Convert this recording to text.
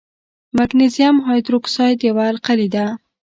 مګنیزیم هایدروکساید یوه القلي ده.